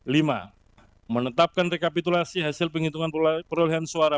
lima menetapkan rekapitulasi hasil penghitungan perolehan suara